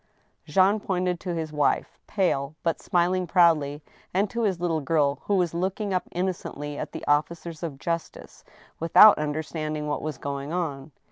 Jean pointed to his wife, pale, but smiling proudly, and to his little girl, who was looking up innocently at the officers of justice, without understanding what was going on.